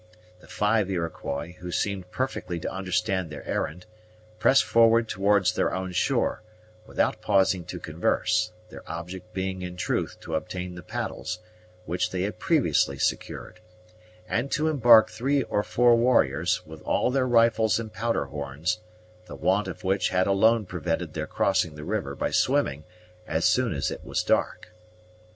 The five Iroquois, who seemed perfectly to understand their errand, pressed forward towards their own shore, without pausing to converse; their object being in truth to obtain the paddles, which they had previously secured, and to embark three or four warriors, with all their rifles and powder horns, the want of which had alone prevented their crossing the river by swimming as soon as it was dark.